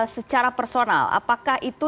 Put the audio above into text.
secara personal apakah itu